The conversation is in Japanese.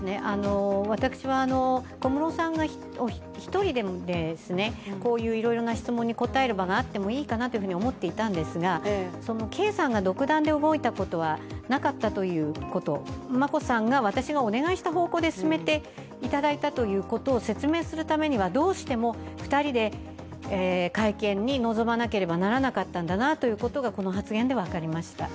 私は小室さんが一人で、こういういろいろな質問に答える場があってもいいのかなと思いましたが圭さんが独断で動いたことはなかったということ、眞子さんが、私がお願いした方向で進めていただいたことを説明するためにはどうしても２人で会見に臨まなければならなかったんだなということがこの発言で分かりました。